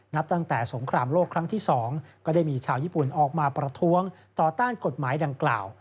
นับตั้งแต่สงครามโลกครั้งที่๒ก็ได้มีชาวญี่ปุ่นออกมาประท้วงต่อต้านกฎหมายดังกล่าว